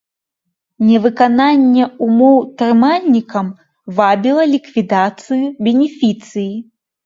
Невыкананне ўмоў трымальнікам вабіла ліквідацыю бенефіцыі.